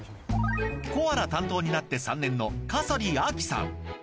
コアラ担当になって３年の賀曽利亜紀さん。